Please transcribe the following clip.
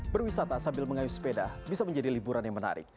berwisata sambil mengayuh sepeda bisa menjadi liburan yang menarik